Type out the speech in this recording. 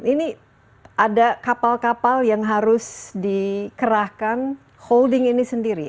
ini ada kapal kapal yang harus dikerahkan holding ini sendiri